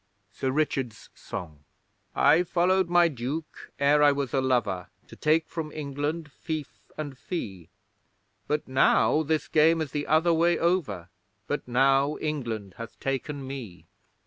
SIR RICHARD'S SONG I followed my Duke ere I was a lover, To take from England fief and fee; But now this game is the other way over But now England hath taken me!